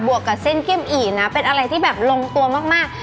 วกกับเส้นกิ้มอีนะเป็นอะไรที่แบบลงตัวมาก